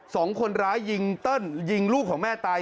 สองคนร้ายยิงเติ้ลยิงลูกของแม่ตาย